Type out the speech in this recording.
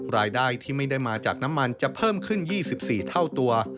รายได้ที่ไม่ได้มาจากน้ำมันจะเพิ่มขึ้น๒๔เท่าตัว